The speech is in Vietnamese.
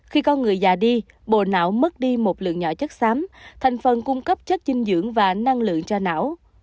khi con người già đi bộ não mất đi một lượng nhỏ chất xám thành phần cung cấp chất dinh dưỡng và năng lượng cho não